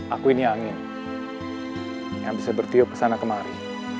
aku ini angin yang bisa bertiup ke sana kemari